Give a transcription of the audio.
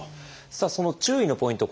さあその注意のポイント